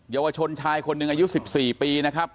เยาวชนชายคนหนึ่งอายุ๑๔ปีนะครับ